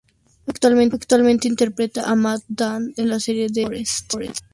Actualmente, interpreta a Mat Tan en la serie "The Fosters".